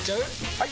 ・はい！